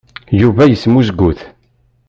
Yuba yesmuzgut.